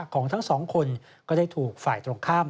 ของทั้งสองคนก็ได้ถูกฝ่ายตรงข้าม